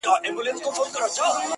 ځيرک ښکاري په يوه ټک دوه نښانه ولي.